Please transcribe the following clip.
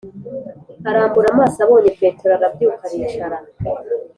Arambura amaso abonye petero arabyuka aricara